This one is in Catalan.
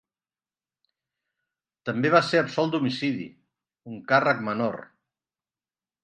També va ser absolt d'homicidi, un càrrec menor.